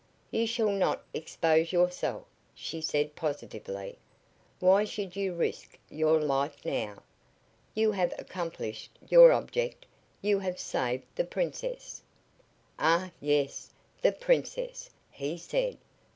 "You shall not expose yourself," she said, positively. "Why should you risk your life now? You have accomplished your object. You have saved the Princess!" "Ah yes, the Princess!" he said.